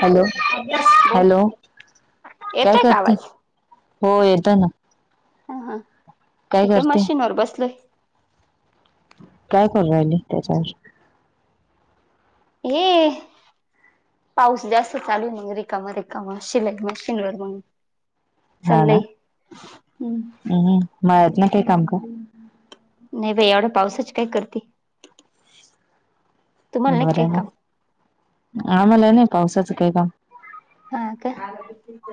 Hello बोल hello काय येतोय का करती? आवाज हो येतं ना हा हा काय हे का करते मशीनवर बसलोय काय करू राहिली त्याच्यावच ये पाऊस जास्त चालू आहे मग रिकामा रिकाम शिलाय मशीन वर मग. हा ना चाललंय हम्म. हम्म मळ्यात ना काय काम का? नाही बाई एवढ्या पावसाच काय करती. बरय काम मग आम्हाला नाही पावसाचं काही काम. हा का?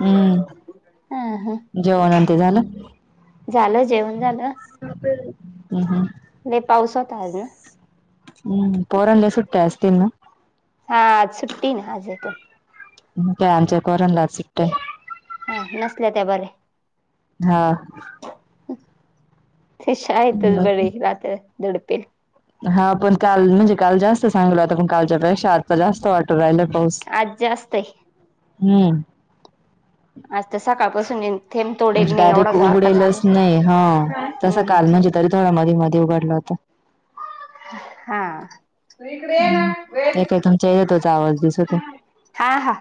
हम्म हा हा. जेवण अन ते झालं? झालं जेवण झालं हम्म हम्म. नाही पाऊस होता आज ना. हम्म पोरांले सुट्ट्या असतील ना? हा आज सुुट्टी ना आज येतोय. हम्म ते आमच्याही पोरांना आज सुट्टी आहे. हा नसल्या त्या बरे हा तेशा येतच बरी बाकी रात्री दडपे हा पण काल म्हणजे काल जास्त सांगला होता, पण कालच्यापेक्षा आता जास्त वाट राहिला पाऊस आज जास्त आहे हम्म आज तर सकाळपासून आहे. थेंब आज तोडेल नाही एवढा डायरेक्ट झारका चालू उघडेलच नाही हा तस हम्म काल म्हणजे तरी थोडा मध्ये मध्ये उघडलं होत. हा तू इकडं ये ना वेद. तेय त्याचा आवाज दिस होतोय. हा हा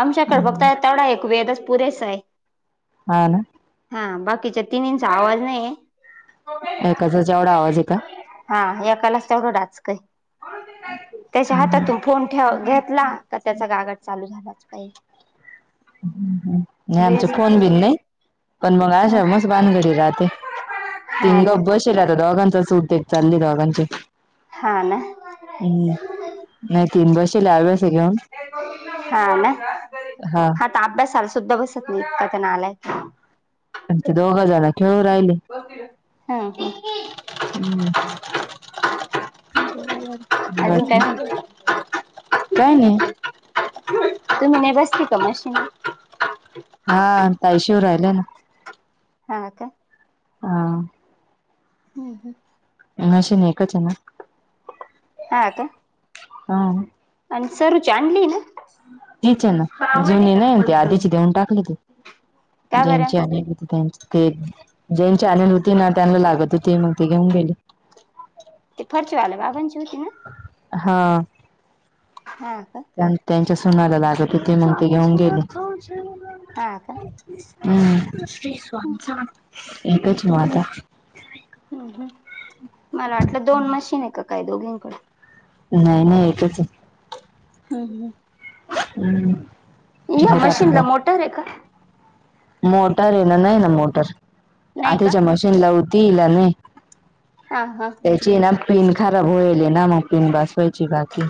आमच्याकडे बघताय तेवढा एक वेदच पुरेस आहे हा ना हा बाकीच्या तीनींचा आवाज नाहीय एकाचा जेवढा आवाज आहे का हा याकालाच तेवढंडाचकय त्याच्या हातातून नाही फोन ठेव घेतला का त्याचा कागड चालू झालाच पाहिजे नाही आमचे असं फोन ते बिन नाही पण मग ह अशा मस बाधगडी राहते हा तिन ना गब बसेल आता दोघांच सूट देत चालली दोघांचे हा ना हम्म नाही तीन बसल्या आवेशी घेऊन हा ना हा तर अभ्यासाला सुद्धा बसत नाही आता नालाय पण ते दोघा जण खेळू राहिले. हम्म हम्म अजून काय बाकी म्हणते काय नाही तुम्ही नाही बसती का मशीन. हा ताई शिवू राहिलंय ना हा का? हा हम्म हम्म. मशीन एकच आहे ना हा का? आ हं आणि सरूची आणली ना [inaudible] तीच आहे ना जुनी नाही ते आधीची देऊन टाकली त का बरं ज्यांची आणि त्यांची दोन ते दोन चॅनल होते ना त्यांन लागत होते म्हणून ते घेऊन गेले. ते फरशीवालेला बाबाचीे हितून ना हा... हा का? त्यांच्या सोनाला लागत होते मग ते घेऊन गेली. हा का? हम्म एकच म आता हम्म हम्म मला वाटलं दोन मशीन आहे का काय दोघींकडे. नाही नाही एकच आहे. हम्म हम्म. हम्म या मशीन ला मोटर आहे का? मोटर आहे ना नाही ना मोटर, नाही का आटेच्या मशीनला होते ना मी हा हा त्याची ना पिन खराब होईल ना मग पिन बसवायची बाकी.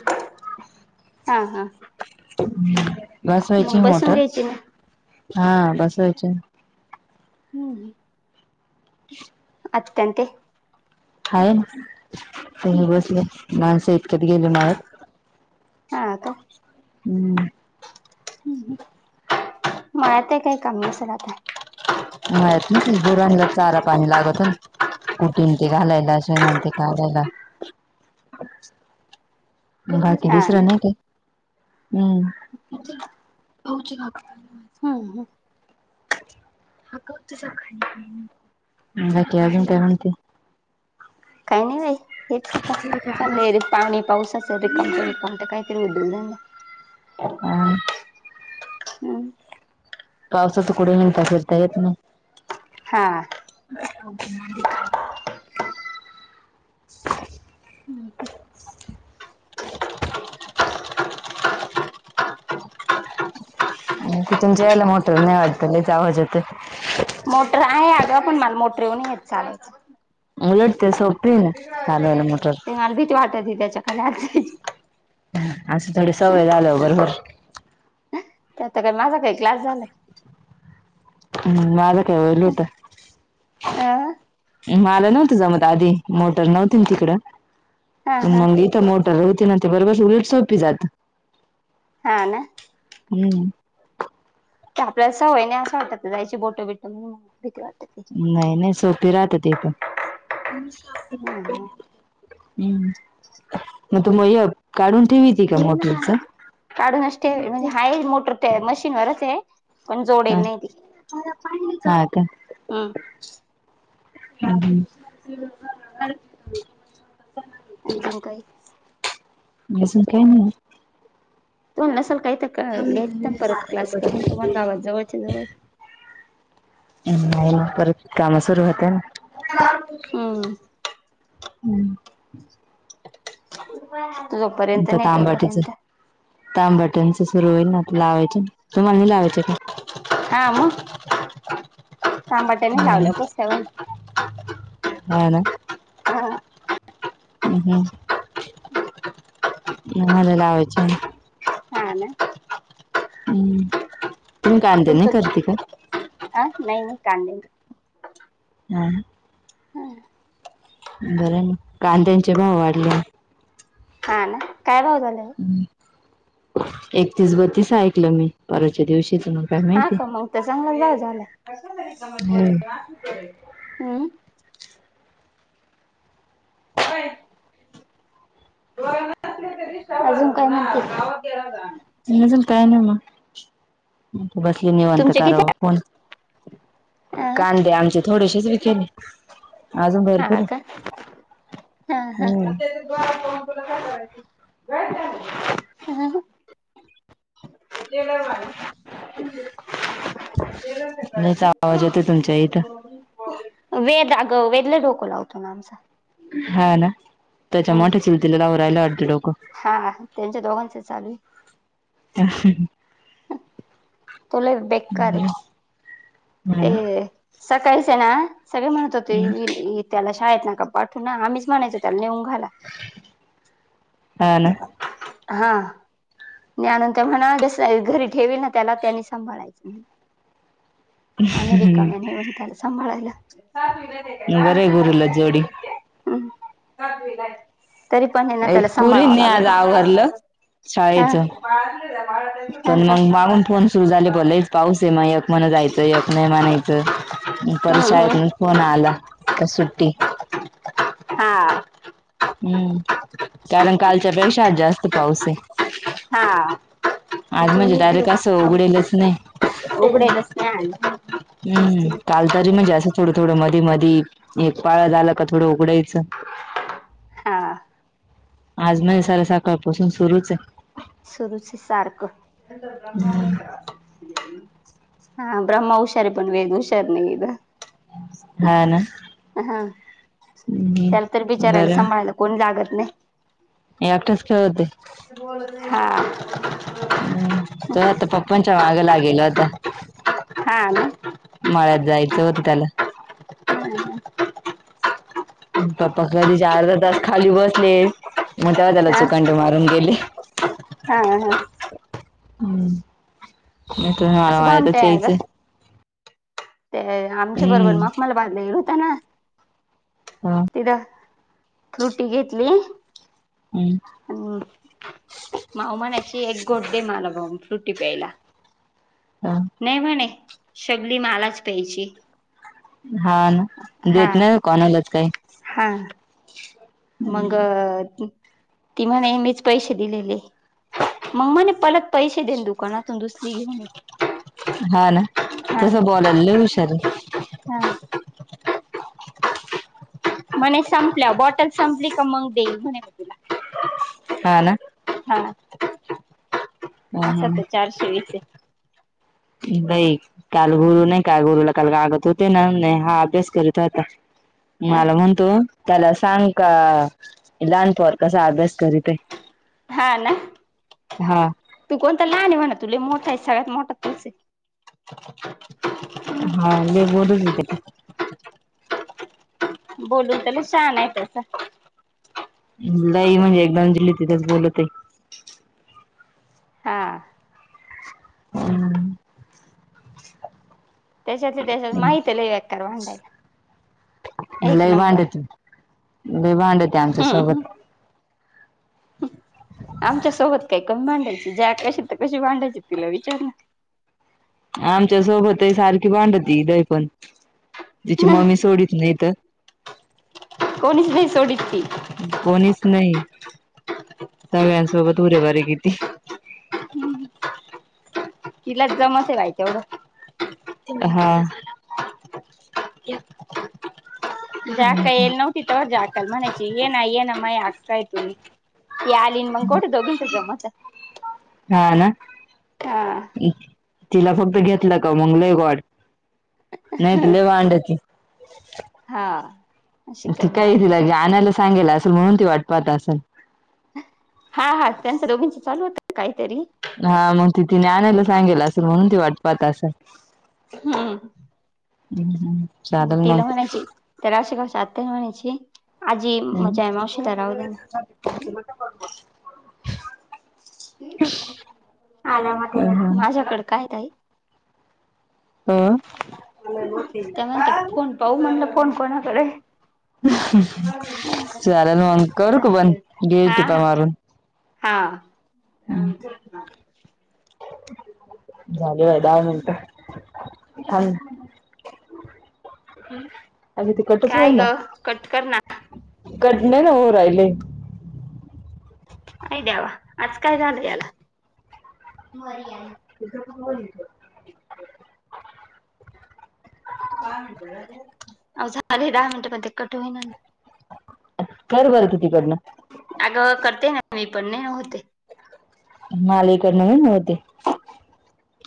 हा हा बसवायची मग बसून मोटर घ्यायची ना हा बसवायची हम्म [inaudible] आचकांते. हाय ना ते हे बसले माणसं इतक्यात गेले माया्यात. हा का हम्म. म आ ते काही काम अससलता. मात ना गोरांला चारा पाणी लागत हो ना. कुटीन ते घालायला शेनान ते काढायला. बाकी हा दुसर ना नाही काय. हम्म. हा ह. बाकी अजून काय म्हणते. काही नाही बाई हेच आता चाल रे पावणी पाऊसच रिकमट रिकमट काही. त उ दुघ द. अ हम्म. पावसात कड हिणता फिरताय येत नाही. हा. हो. [inaudible] तिथुन जायला मोटर नाही वाटत लयच आवाज यत. मोटर आहे अग पण मला मोटर येऊन येत चालायचं. उलटते सप. ते मला भीट वाटत त्याच्या खाली आयची. असं थोडी सवय झाल बरोबर. त्याता का माझा काही क्लास झालाय. हम् माझ कायल होत. आह. माला नव्हतं जमत आधी मोटर नव्हती तिकडं. हा हा मग इथं मोटर होते ना ते बरोबरच उलट सोपी जात. हा ना. हम्म. क आपल्याला सवय नाही असं वाटत जायची बोटो बिट म्हणून भीती वाटत. नाही नाही सोपी राहतते ते पण. हम ह. हम् मग तु म काढून ठेवी त का मोटरच. काढून असते म्हणजे हाय मोटर ते मशीनवरच आहे. पण जोडेल नाही ती हा चालते. हम्म हम्. अजून काही याज काय ना. तुम न असाल काही तर घ्यायचं परत क्लास करून तुम्हाला गावात जवळच्या जवळ. नाही परत काम सुरू होते ना. हम्म. त जोपर्यंत नाही तोपर्यंत. तामबटनच सुरू होईल ना लावायचे तुम्हाला हे लावायचे काय. हा मग तांबाट्याने नाही. लावलंक सेवण. हा ना. हा. हम् हम्म मला लावायचे न. हा ना. हम्म तुम्ही कांदे नाही करते का? अ नाही मी कांदे नाही. हम. बरं ना कांद्यांचे पण वाढले. हा ना काय भाव झाले व. हम्म एकतीस बतीस ऐकलं मी. परच्या दिवशीच. काय हा माहिती. का मग तर चांगला व्याय झालाय् हम्म. अय. अजून कमवते. जल काय नाही मग बसली निवनत तुमचे किती कराव फोन. अं, कांदे आमचे थोडेसेच विकेले. अजून भरपूर हा हे. का हा हा. तुला काय कराय ह ह. [unintelligible] नाहीचा आवाज येतो तुमच्या इथं. वेद अग वेदला डोको लावतो ना आमचा. हा ना त्याच्या हम्म. मोठ्या चिल तिलालावर राहिला अर्ध डोकं. हा हा त्यांच्या दोघांच चालू आहे. ह हम्म हम्म. तो लय बेकार हम् आहे हम्. ते सकाळीच आहे ना सगळे म्हणत होते वी न. त्याला शाळेत ना का पाठव ना आम्हीच म्हणायचो त्याला नऊ घाला. हा ना. हा. नाहीनून ते म्हणा जस घरी ठेवल ना त्याला त्यांनी सांभाळायचं म्ह. अमेरिका म नाही म्हणताला सांभाळायला. बरं आहे गुरुला जोडी. हम् तरी पणना त्याला एक सांभाळावं पुरींनी आज लागत. आवरलं हा हा शाळेचं. हं पण हं. मग मागून फोन सुरू झाले ब लईच पाऊस आहे मग एक म्हण जायचं एक नाही म्हनायचं पर हम्म, हम्म. शाळेत फोन आला सुट्टी. हा. हम्म कारण कालच्या पेक्षा आ जास्त पाऊस आहे. हा. आज म्हणजे डायरेक्ट असं उघडेलच नाही. उघडेलच नाही आलं हम्म काल तरी म्हणजे असं थोडं थोडं मधी मधी. एक पाळा झाला का थोडं उघडायचं. हा. आज म्हण सर सकाळपासून सुरूच आहे. सुरूच सारखं. हा ब्रह्मा हुशारारी पण वेद हुशार नाही ब. हा ना. हा हम्म त्याला तर बिचारायला बरं सांभाळायला कोण जागत नाही. एकटेच खेळते. हा. हम् तो आता पप्पनच्या मागं लागेल आता. हा म. मळ्यात जायचं होत त्याला. ह. पप्पा कधी चारध तास खाली बसलेस. मठव त्याला हा चुकांट मारून गेले. हा हा हम्म म तर हळ असं वाळ तर भामटे आहे ग च. ते आमच्या बरोबर हम्म मग मला बाजला गेल हो. हा. तिथ फ्रूटी घेतली. हम्म. अ माऊमानाची एक गोठडे मला ब फ्रुटी प्यायला. हा नाही म्हणे शबली मलाच प्यायची. हा ना हा देत नाही कोणालाच काही हा. मग तिमा नेहमीच पैसे दिलेले. मामाने पहिले पैसे देन दुकानातून दुसरी हा ना हा तसं बोलायला लय हुशार आहे हा. म्हणे संपल्या बॉटल संपली का मग देईल म्हणे तुला? हा ना. हा हा असा हा तर चारशे वीस. नाहीई काल गुरु नाही का गुरुला काल कागद होते ना नाही हा अभ्यास करत होता. आहे मला म्हणतो त्याला सांग का लहानपर कसा अभ्यास करीत आहे. हा ना. हा तू कोणता लहान आहे म्हणा तु ले मोठा आहे सगळ्यात मोठा तैसे हा ले मोठा दिसतय. बोलून तेला छान आहे तस. नाही म्हणजे एकदमजली तिथेच बोलत. हा. [unintelligible] त्याच्यातले त्याच्यात माहती आहे लकार भांडायला एक लै नंबर भांडती लै भांड होते आमच्या हम्म सोबत आमच्या सोबत काय कमी मांडायची ज्या कशी तर कशी मांडायची तिला विचार ना. आमच्या सोबतही सारखी भांडती दय पण तिची मम्मी सोडीत नाही तर कोणीच नाही सोडीची कोणीच नाही सगळ्यांसोबत उरे बरे किती? तिला जमच आहे व्हाय तेवढं. हा. जाक येल नव्हती तर जाकल म्हनची ये ना ये ना मा आगताय त यालिन मंगकोट दोघीसत मत हा ना. हा. तिला फक्त घेतलं का मग ले गड नाही तु लव अंडाची [inaudible] हा. अशी मग ती काय माई तिलाे आणायला सांगेला असेल म्हणून ती वाट पाहत असेल. हा हा त्यांचं दोघींच चालू होत काहीतरी हा मग ति ति आनायला सांगेल असेल म्हणून ती वाट पात असं. हम्म. हम्म हम्म. तिला म्हणायची त्यालावशा आत्ताही म्हणायची आजी मजा मावशला राव देना. [inaudible] ना [unintelligible] माझ्याकडे काय काय? हा. त्या म्हणते फोन पाऊ म्हणलं फोन कोणाकडे झालेला मग करू का पण गे टिपा मारून हां झाले बाय दहा मिनटं ह अग. कटच काय होईना ग कट कर ना कट नाही ना हो राहिले आ देवा आज काय झाल याला तथं. आओ झाले दहा मिनिट पण ते कट होईन ना कर बरं तू तिकडनं अग करते ना मी पण नाही होते मालिकडन नव्हते